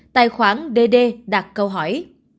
tài khoản dd đặt câu hỏi